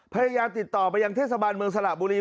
พยายามติดต่อไปยังเทศบาลเมืองสระบุรี